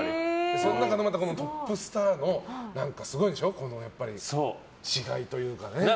その中でもトップスター、何かすごいんでしょやっぱり違いというかね。